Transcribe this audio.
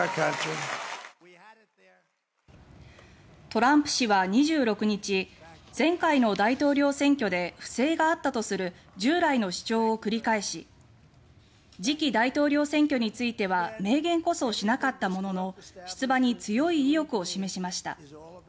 トランプ氏は２６日前回の大統領選挙で不正があったとする従来の主張を繰り返し次期大統領選挙については明言こそしなかったものの出馬に強い意欲を示しました。